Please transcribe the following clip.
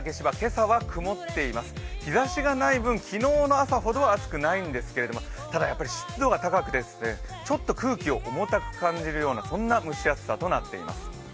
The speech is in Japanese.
日ざしがない分、昨日の朝ほどではないんですけれどもただやっぱり湿度が高くて、ちょっと空気を重たく感じるような、そんな蒸し暑さとなっています。